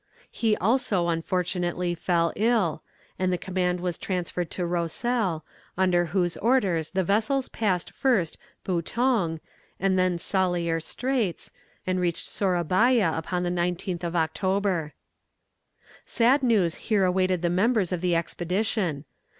He also unfortunately fell ill, and the command was transferred to Rossel, under whose orders the vessels passed first Boutong, and then Saleyer Straits, and reached Sourabaya upon the 19th of October. [Illustration: View of the Island of Bouron.] Sad news here awaited the members of the expedition.